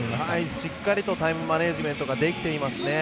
しっかりとタイムマネジメントができていますね。